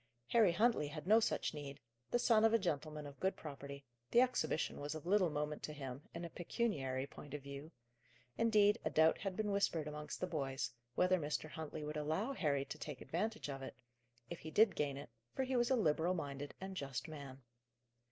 Harry Huntley had no such need: the son of a gentleman of good property, the exhibition was of little moment to him, in a pecuniary point of view; indeed, a doubt had been whispered amongst the boys, whether Mr. Huntley would allow Harry to take advantage of it, if he did gain it, for he was a liberal minded and just man.